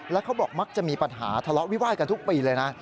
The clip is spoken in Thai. แล้วเขาบอกมักจะมีปัญหาทะเลาะวิวาดกันทุกปีเลยนะ